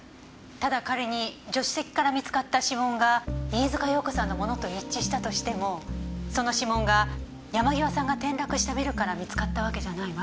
ただ仮に助手席から見つかった指紋が飯塚遥子さんのものと一致したとしてもその指紋が山際さんが転落したビルから見つかったわけじゃないわ。